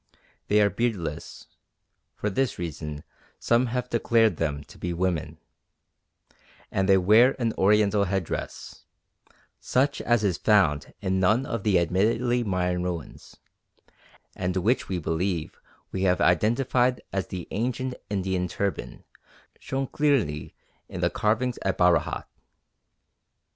They are beardless (for this reason some have declared them to be women), and they wear an Oriental headdress such as is found in none of the admittedly Mayan ruins, and which we believe we have identified as the ancient Indian turban shown clearly in the carvings at Bharahat.